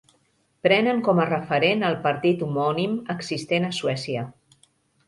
Prenen com a referent el partit homònim existent a Suècia.